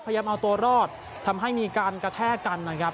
พยายามเอาตัวรอดทำให้มีการกระแทกกันนะครับ